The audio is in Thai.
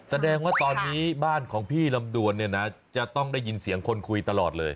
แสดงว่าตอนนี้บ้านของพี่ลำดวนเนี่ยนะจะต้องได้ยินเสียงคนคุยตลอดเลย